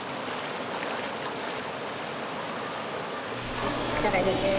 よし力入れて。